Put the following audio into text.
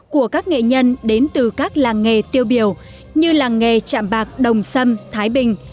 của các nghệ nhân đến từ các làng nghề tiêu biểu như làng nghề chạm bạc đồng sâm thái bình